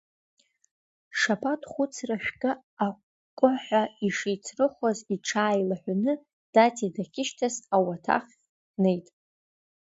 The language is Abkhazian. Шабаҭ хәыцра шәкы акәкәыҳәа ишицрыхоз иҽааилаҳәаны Тати дахьышьҭаз ауадахь днеит.